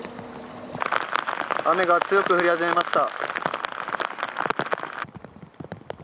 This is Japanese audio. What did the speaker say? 雨が強く降り始めました。